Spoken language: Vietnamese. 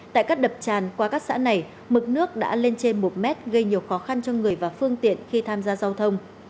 tại các đập tràn qua các xã này mực nước đã lên trên một mét gây nhiều khó khăn cho người và phương tiện khi tham gia giao thông